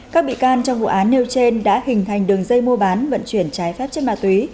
các bị can trong vụ án nêu trên đã hình thành đường dây mua bán vận chuyển trái phép chất ma túy